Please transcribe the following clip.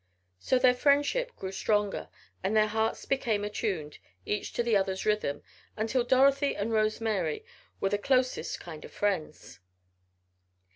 So their friendship grew stronger and their hearts became attuned, each to the other's rhythm, until Dorothy and Rose Mary were the closest kind of friends.